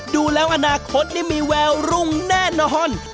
ดูแล้วอนาคตนี่มีแววรุ่งแน่นอน